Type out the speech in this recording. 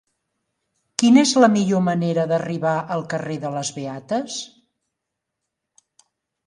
Quina és la millor manera d'arribar al carrer de les Beates?